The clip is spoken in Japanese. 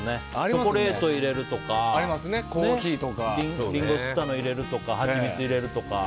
チョコレート入れるとかコーヒーとかリンゴすったの入れるとかハチミツ入れるとか。